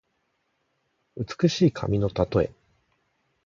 美しい髪のたとえ。